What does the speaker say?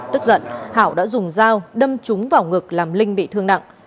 tức giận hảo đã dùng dao đâm trúng vào ngực làm linh bị thương nặng